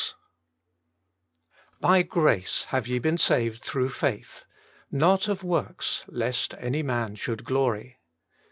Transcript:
s ' By grace have ye been saved through faith ; not of works, lest any man should glory.